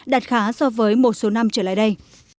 đạt khá so với một số năm trở lại đây